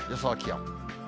予想気温。